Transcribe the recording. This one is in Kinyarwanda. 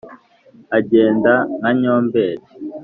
Agenda nka nyomberi